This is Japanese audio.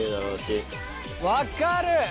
分かる！